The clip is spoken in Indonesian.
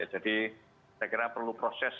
jadi saya kira perlu proses